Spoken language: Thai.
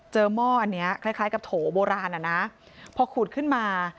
หม้ออันนี้คล้ายคล้ายกับโถโบราณอ่ะนะพอขุดขึ้นมา